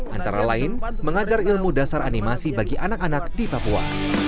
antara lain mengajar ilmu dasar animasi bagi anak anak di papua